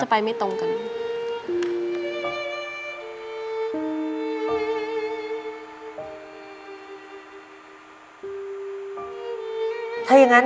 เราจะไปไม่ตรงกัน